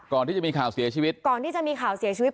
ก่อนที่จะมีข่าวเสียชีวิต